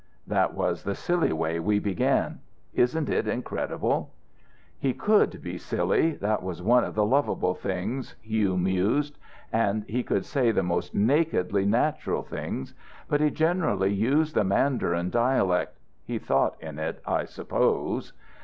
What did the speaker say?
"That was the silly way we began. Isn't it incredible?" "He could be silly that was one of the lovable things," Hugh mused. "And he could say the most nakedly natural things. But he generally used the mandarin dialect. He thought in it, I suppose."